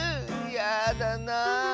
やだなあ。